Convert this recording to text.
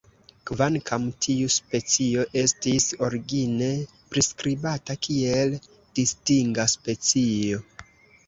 Kvankam tiu specio estis origine priskribata kiel distinga specio.